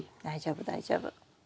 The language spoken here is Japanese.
大丈夫大丈夫。